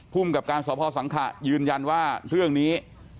ภูมิกับการสพสังขะยืนยันว่าเรื่องนี้